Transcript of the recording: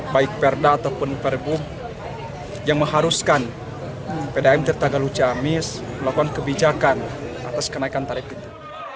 baik perda ataupun perbu yang mengharuskan pdam tirtanggalu ciamis melakukan kebijakan atas kenaikan tarif itu